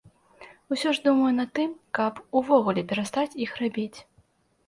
Усё ж думаю над тым, каб увогуле перастаць іх рабіць.